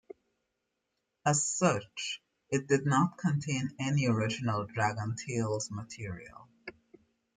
As such, it did not contain any original "Dragon Tales" material.